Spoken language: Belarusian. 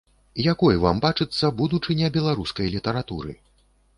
Якой вам бачыцца будучыня беларускай літаратуры?